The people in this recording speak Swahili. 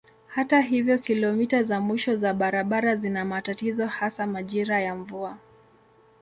Hata hivyo kilomita za mwisho za barabara zina matatizo hasa majira ya mvua.